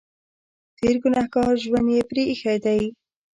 تېر ګنهګار ژوند یې پرې اېښی دی.